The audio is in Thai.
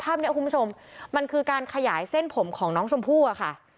ภาพนี้คุณผู้ชมมันคือการขยายเส้นผมของน้องชมพู่อะค่ะ